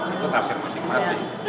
itu terhasil masing masing